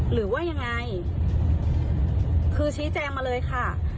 หรือว่ายังไงคือชี้แจงมาเลยค่ะ